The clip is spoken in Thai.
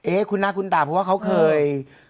เอ๊คุณน้าคุณตาเพราะว่าเขาเคย